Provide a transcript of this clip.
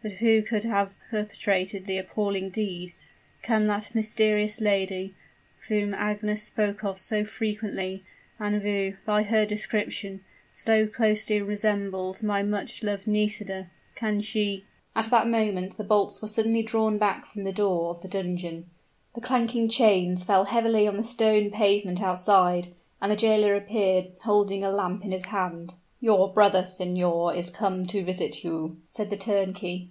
But who could have perpetrated the appalling deed? Can that mysterious lady, whom Agnes spoke of so frequently, and who, by her description, so closely resembled my much loved Nisida can she " At that moment the bolts were suddenly drawn back from the door of the dungeon the clanking chains fell heavily on the stone pavement outside and the jailer appeared, holding a lamp in his hand. "Your brother, signor, is come to visit you," said the turnkey.